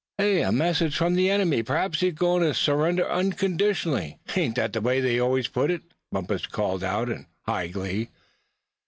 "A message from the enemy; p'raps he's goin' to Surrender unconditionally ain't that the way they always put it?" Bumpus called out, in high glee.